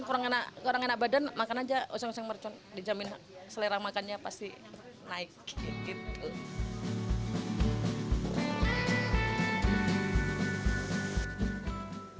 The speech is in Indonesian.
karena orang enak badan makan aja oseng oseng mercon dijamin selera makannya pasti naik gitu